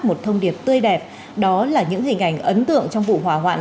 một thông điệp tươi đẹp đó là những hình ảnh ấn tượng trong vụ hỏa hoạn